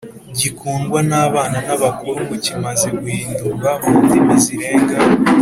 Gikundwa n’abana n’abakuru Ubu kimaze guhindurwa mu ndimi zirenga !